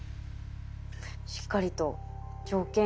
しっかりと条件